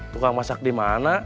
tukang masak dimana